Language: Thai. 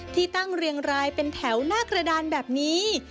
ที่ตั้งเรียงรายเป็นแถวหน้ากระดานแบบนี้